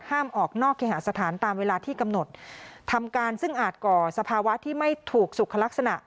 ออกนอกเคหาสถานตามเวลาที่กำหนดทำการซึ่งอาจก่อสภาวะที่ไม่ถูกสุขลักษณะ